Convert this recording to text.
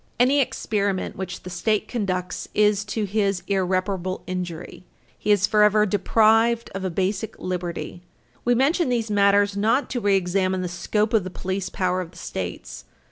Any experiment which the State conducts is to his irreparable injury. He is forever deprived of a basic liberty. We mention these matters not to reexamine the scope of the police power of the States.